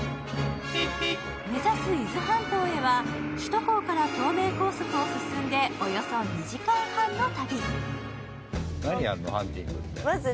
目指す伊豆半島へは、首都高から東名高速を進んでおよそ２時間半の旅。